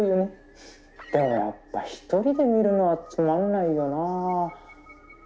でもやっぱ１人で見るのはつまんないよな。